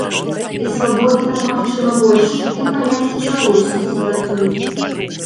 І свабоды там, магчыма, больш, ды і паняцці чалавечнасці працуюць!